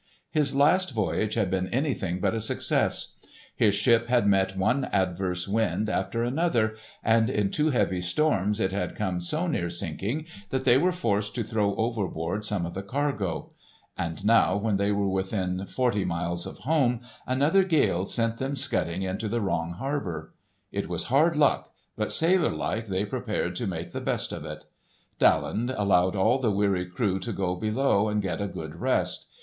His last voyage had been anything but a success. His ship had met one adverse wind after another, and in two heavy storms it had come so near sinking that they were forced to throw overboard some of the cargo. And now when they were within forty miles of home, another gale sent them scudding into the wrong harbour. It was hard luck, but sailor like they prepared to make the best of it. Daland allowed all the weary crew to go below and get a good rest.